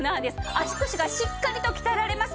足腰がしっかりと鍛えられます。